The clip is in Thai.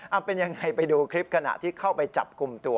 เอาเป็นยังไงไปดูคลิปขณะที่เข้าไปจับกลุ่มตัว